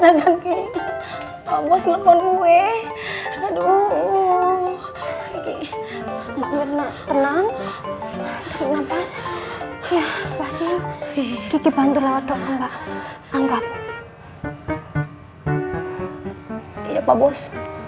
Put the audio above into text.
iya pak bos